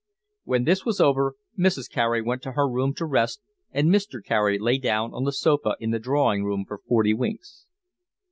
When this was over Mrs. Carey went to her room to rest, and Mr. Carey lay down on the sofa in the drawing room for forty winks.